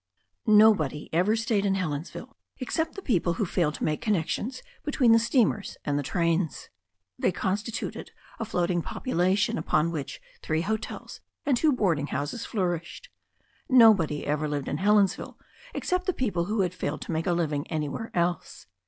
Nobody ever stayed in Helensville except the people who» failed to make connections between the steamers and the trains. They constituted a floating population upon which three hotels and two boarding houses flourished. Nobody ever lived in Helensville except the people who had failed to make a living anywhere else.